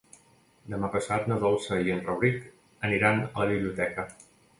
Demà passat na Dolça i en Rauric aniran a la biblioteca.